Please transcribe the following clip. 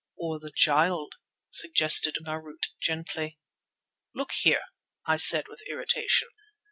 "Or the Child," suggested Marût gently. "Look here!" I said with irritation.